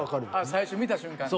最初見た瞬間に？